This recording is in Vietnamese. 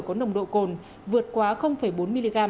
có nồng độ cồn vượt quá bốn mg